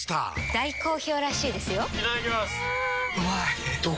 大好評らしいですよんうまい！